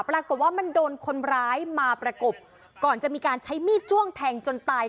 ปรากฏว่ามันโดนคนร้ายมาประกบก่อนจะมีการใช้มีดจ้วงแทงจนตาย